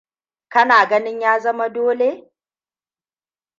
Kana ganin ya zama dole?